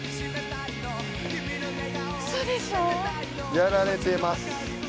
やられてます。